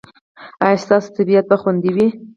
ایا ستاسو طبیعت به خوندي وي؟